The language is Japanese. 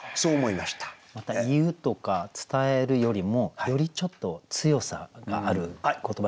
また「言う」とか「伝える」よりもよりちょっと強さがある言葉ですね「告げる」というね。